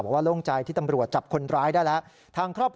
แต่เราจะไม่ยอมก่อนเราจะไปเรื่องคดีให้ถึงที่สุด